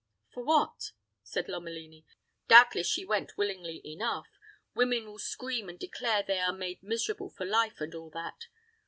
"For what?" said Lomelini. "Doubtless she went willingly enough. Women will scream and declare they are made miserable for life, and all that.